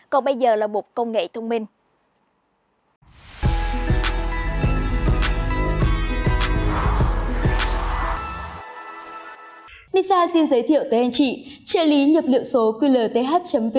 còn bây giờ là mục công nghệ thông minh